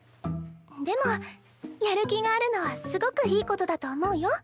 でもやる気があるのはすごくいいことだと思うよ。